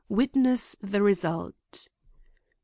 Witness the result: 1.